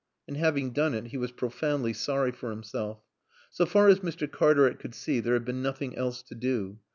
And, having done it, he was profoundly sorry for himself. So far as Mr. Cartaret could see there had been nothing else to do.